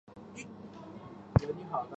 附加赛圈胜方可晋级分组赛。